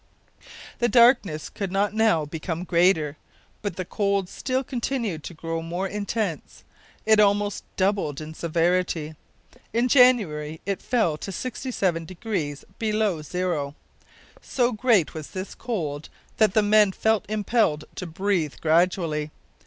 The darkness could not now become greater, but the cold still continued to grow more intense. It almost doubled in severity. In January it fell to 67 degrees below zero! So great was this cold that the men felt impelled to breathe gradually.